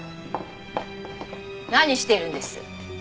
何してるんです？